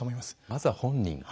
まずは本人。